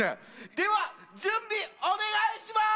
では準備お願いします！